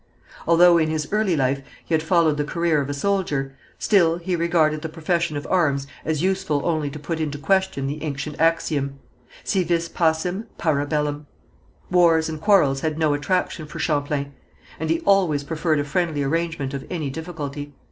Although in his early life he had followed the career of a soldier, still he regarded the profession of arms as useful only to put into question the ancient axiom, Si vis pacem, para bellum. Wars and quarrels had no attraction for Champlain, and he always preferred a friendly arrangement of any difficulty.